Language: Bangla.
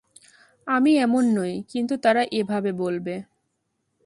আমি এমন নই, কিন্তু তারা এভাবে বলবে।